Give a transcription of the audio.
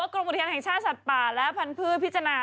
กรมอุทยานแห่งชาติป่าและพันธุ์พืชพิจารณา